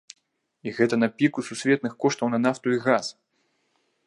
І гэта на піку сусветных коштаў на нафту і газ!